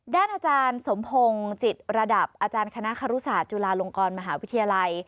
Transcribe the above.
ด้านอาจารย์สมพงศ์จิตระดับอาจารย์คณะคารุศาสตร์จุฬาลงกรมหาวิทยาลัย